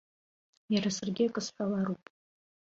Иара саргьы акы сҳәалароуп.